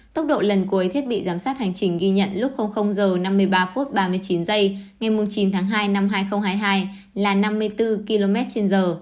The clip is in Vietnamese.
tốc độ lần cuối thiết bị giám sát hành trình ghi nhận lúc h năm mươi ba ba mươi chín ngày chín tháng hai năm hai nghìn hai mươi hai là năm mươi bốn kmh